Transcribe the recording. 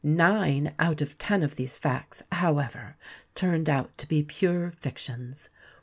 Nine out of ten of these facts, however, turned out to be pure fictions.